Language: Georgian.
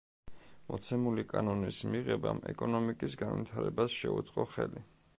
მოცემული კანონის მიღებამ ეკონომიკის განვითარებას შეუწყო ხელი.